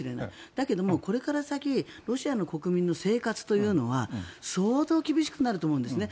だけど、これから先ロシアの国民の生活というのは相当厳しくなると思うんですね。